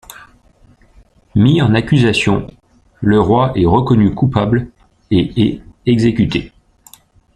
Mis en accusation, le roi est reconnu coupable et est exécuté.